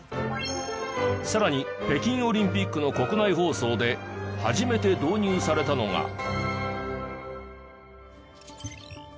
さらに北京オリンピックの国内放送で初めて導入されたのが。